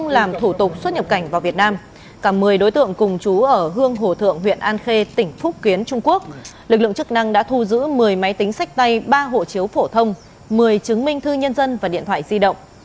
lực lượng chức năng đã thu giữ một mươi máy tính sách tay ba hộ chiếu phổ thông một mươi chứng minh thư nhân dân và điện thoại di động